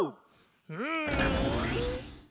うん！